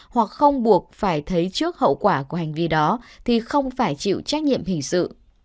hoặc không buộc phải thấy trước hậu quả của hành vi đó thì không phải chịu trách nhiệm hình sự